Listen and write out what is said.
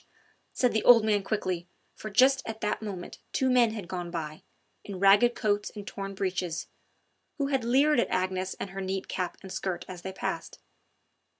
said the old man quickly, for just at that moment two men had gone by, in ragged coats and torn breeches, who had leered at Agnes and her neat cap and skirt as they passed.